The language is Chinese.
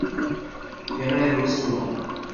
原来如此啊